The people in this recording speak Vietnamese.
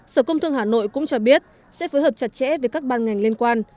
sở công thương hà nội cũng cho biết sẽ phối hợp chặt chẽ với các ban ngành liên quan